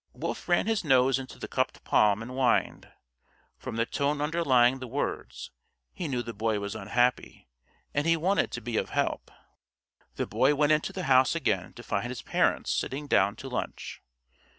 Wolf ran his nose into the cupped palm and whined. From the tone underlying the words, he knew the Boy was unhappy, and he wanted to be of help. The Boy went into the house again to find his parents sitting down to lunch.